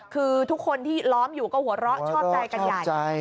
คือทุกคนที่ล้อมอยู่ก็หัวเราะชอบใจกันใหญ่